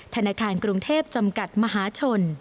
ธนาคารกรุงเทพจำกัดมหาชน